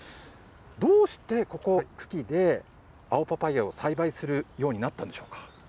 どうしてここ、久喜で、青パパイアを栽培するようになったんでしょうか。